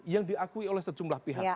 yang diakui oleh sejumlah pihak